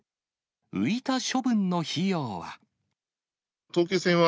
浮いた処分の費用は。